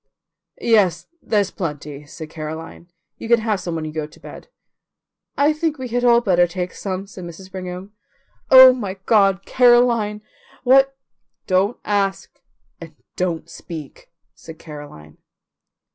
"Yes, there's plenty," said Caroline; "you can have some when you go to bed." "I think we had all better take some," said Mrs. Brigham. "Oh, my God, Caroline, what " "Don't ask and don't speak," said Caroline.